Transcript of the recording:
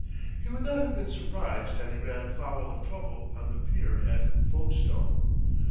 He would not have been surprised had he ran foul of trouble on the pier at Folkestone.